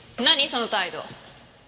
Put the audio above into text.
その態度。